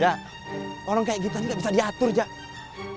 jah orang kayak gitu aja gak bisa diatur jah